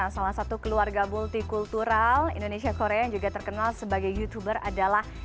salah satu keluarga multikultural indonesia korea yang juga terkenal sebagai youtuber adalah